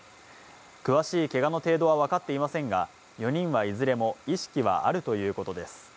詳しいけがの程度は分かっていませんが、４人はいずれも意識はあるということです。